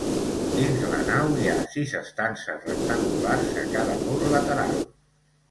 Dins la nau hi ha sis estances rectangulars a cada mur lateral.